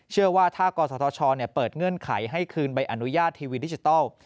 เชื่อว่าถ้ากอสชเปิดเงื่อนไขให้คืนบริษัททีวีดิจิตอล